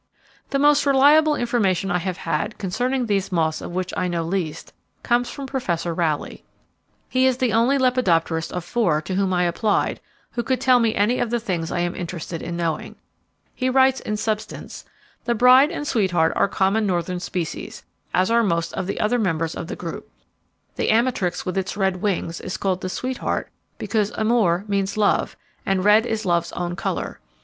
The most reliable information I have had, concerning these moths of which I know least, comes from Professor Rowley. He is the only lepidopterist of four to whom I applied, who could tell me any of the things I am interested in knowing. He writes in substance: "The Bride and Sweetheart are common northern species, as are most of the other members of the group. The Amatrix, with its red wings, is called the Sweetheart because amor means love, and red is love's own colour.